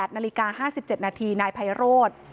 ๘นาฬิกา๕๗นาทีนายไพโรธ